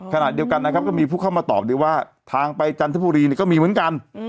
ขณะเดียวกันนะครับก็มีผู้เข้ามาตอบด้วยว่าทางไปจันทบุรีก็มีเหมือนกัน